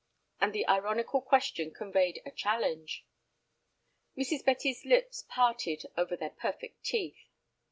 and the ironical question conveyed a challenge. Mrs. Betty's lips parted over their perfect teeth.